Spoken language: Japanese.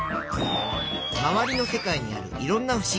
まわりの世界にあるいろんなふしぎ。